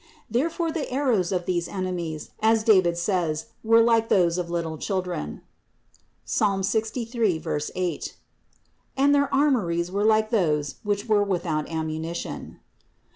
Therefore the arrows of these enemies, as David says, were like those of little children (Ps. 63, 8), and their armories were like those which were without ammunition.